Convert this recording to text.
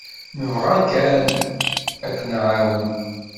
Nebɣa kan ad k-nɛawen.